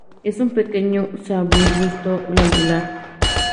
Es un pequeño subarbusto glandular.